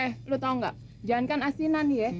eh lo tau gak jangankan asinan ya